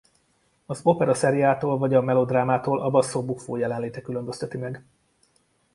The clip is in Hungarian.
Az opera seriától vagy a melodrámától a basso buffo jelenléte különbözteti meg.